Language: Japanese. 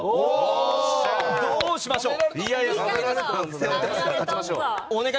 どうしましょう。